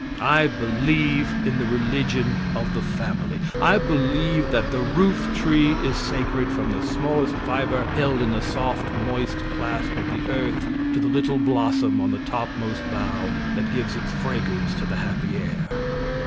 I believe in the religion of the family. I believe that the roof tree is sacred from the smallest fibre held in the soft, moist clasp of the earth to the little blossom on the topmost bough that gives its fragrance to the happy air.